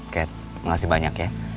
kat kasih banyak ya